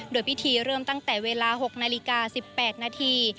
โดยพิธีเริ่มตั้งแต่เวลา๖นาฬิกา๑๘นาที